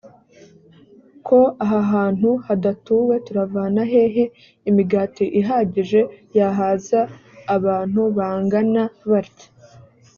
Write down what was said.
ko aha hantu hadatuwe turavana hehe imigati ihagije yahaza abantu bangana batya?